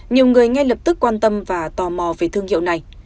nhiều người ngay lập tức quan tâm và tò mò về thương hiệu này